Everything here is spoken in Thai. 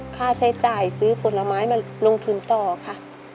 ค่าใช้จ่ายซื้อผลไม้มาลงทุนต่อค่ะ